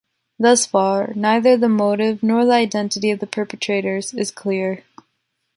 Thus far, neither the motive nor identity of the perpetrators is clear.